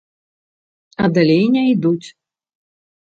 А далей не ідуць.